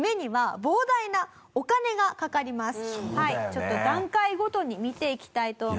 ちょっと段階ごとに見ていきたいと思います。